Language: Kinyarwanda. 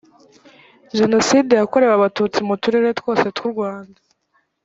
jenoside yakorewe abatutsi mu turere twose tw’u rwanda